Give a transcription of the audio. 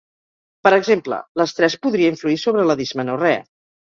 Per exemple, l'estrès podria influir sobre la dismenorrea.